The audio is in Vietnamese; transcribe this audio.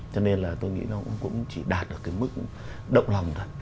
cho nên là tôi nghĩ nó cũng chỉ đạt được cái mức động lòng thôi